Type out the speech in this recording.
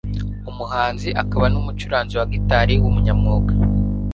umuhanzi akaba n'umucuranzi wa gitari w'umunyamwuga